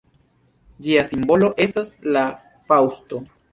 Ĝia simbolo estas la faŭsto.